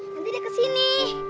nanti dia kesini